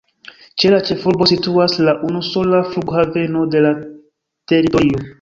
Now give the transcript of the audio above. Ĉe la ĉefurbo situas la unusola flughaveno de la teritorio.